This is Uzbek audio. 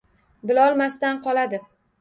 Bilolmasdan qoladi.